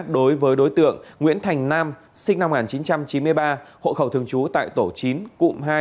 đối với đối tượng nguyễn thành nam sinh năm một nghìn chín trăm chín mươi ba hộ khẩu thường trú tại tổ chín cụm hai